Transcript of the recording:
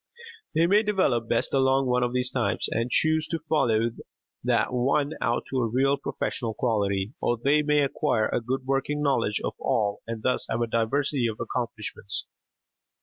They may develop best along one of these types, and choose to follow that one out to a real professional quality, or they may acquire a good working knowledge of all and thus have a diversity of accomplishments.